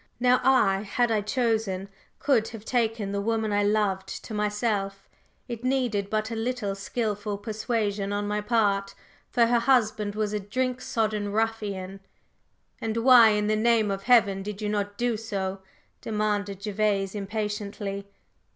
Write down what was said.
Now I, had I chosen, could have taken the woman I loved to myself; it needed but a little skilful persuasion on my part, for her husband was a drink sodden ruffian …" "And why, in the name of Heaven, did you not do so?" demanded Gervase impatiently.